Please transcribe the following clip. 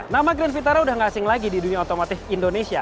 nama grand vitara udah gak asing lagi di dunia otomotif indonesia